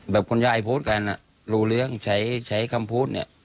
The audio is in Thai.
คุณยายพูดกันรู้เรื่องใช้คำพูดเนี่ย